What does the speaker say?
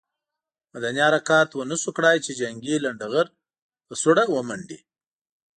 مدني حرکت ونه شو کړای چې جنګي لنډه غر په سوړه ومنډي.